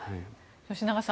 吉永さん